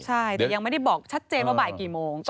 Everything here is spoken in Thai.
ใช่แต่ยังไม่ได้บอกชัดเจนว่าบ่ายกี่โมง